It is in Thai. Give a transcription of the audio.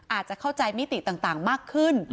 อาจจะเข้าใจมิติต่างมากขึ้น